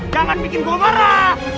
jangan bikin gue marah